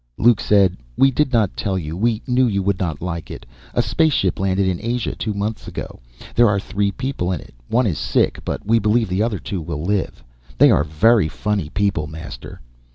Luke said, "We did not tell You. We knew You would not like it. A spaceship landed in Asia two months ago. There are three people in it. One is sick, but we believe the other two will live. They are very funny people, Master."